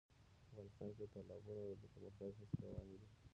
افغانستان کې د تالابونه د پرمختګ هڅې روانې دي.